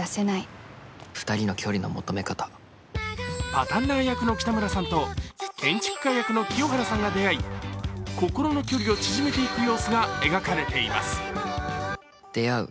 パタンナー役の北村さんと建築家役の清原さんが出会い、心の距離を縮めていく様子が描かれています。